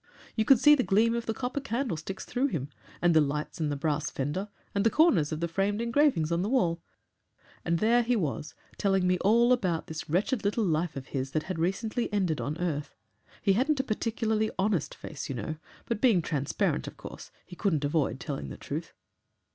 You could see the gleam of the copper candlesticks through him, and the lights on the brass fender, and the corners of the framed engravings on the wall, and there he was telling me all about this wretched little life of his that had recently ended on earth. He hadn't a particularly honest face, you know, but being transparent, of course, he couldn't avoid telling the truth."